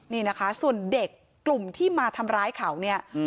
นี่นะคะส่วนเด็กกลุ่มที่มาทำร้ายเขาเนี่ย